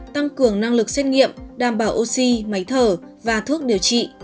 tăng cường năng lực xét nghiệm đảm bảo oxy máy thở và thuốc điều trị